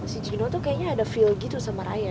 si jino tuh kayaknya ada feel gitu sama raya